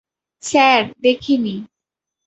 Sir, দেখেনি।